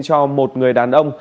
cho một người đàn ông